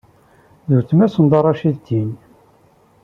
D weltma-s n Dda Racid, tihin?